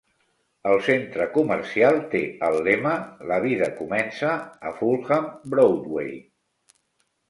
El centre comercial té el lema "La vida comença a Fulham Broadway".